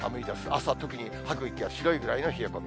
朝、特に吐く息が白いくらいの冷え込み。